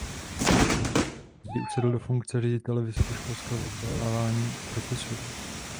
Později usedl do funkce ředitele vysokoškolského vzdělávání profesorů.